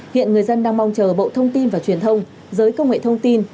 hiện người dân đang mong chờ bộ thông tin và truyền thông giới công nghệ thông tin